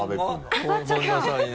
当たっちゃった。